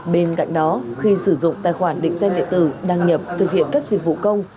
bên cạnh đó khi sử dụng tài khoản định danh địa tử đăng nhập thực hiện các dịch vụ công